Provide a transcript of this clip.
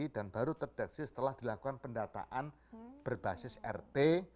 dan baru terdeteksi setelah dilakukan pendataan berbasis rt